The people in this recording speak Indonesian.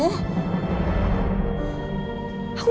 ubah keputusan kamu